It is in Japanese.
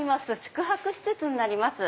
宿泊施設になります。